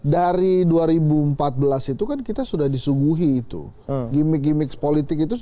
kalau kita lihat